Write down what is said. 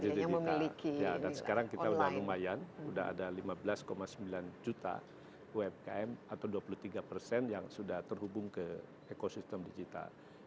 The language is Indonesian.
dan sekarang kita sudah lumayan sudah ada lima belas sembilan juta umkm atau dua puluh tiga persen yang sudah terhubung ke ekosistem digital